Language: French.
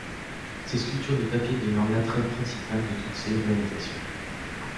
Ses sculptures de papier demeurent l'attrait principal de toutes ses réalisations.